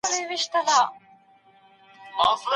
د خاوند پر وړاندي مېرمن پارول حرام عمل دی.